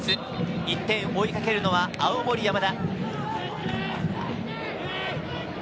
１点を追いかけるのは青森山田。